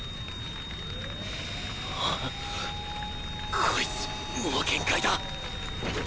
ああこいつもう限界だ！